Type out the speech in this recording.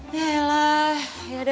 ya elah yaudah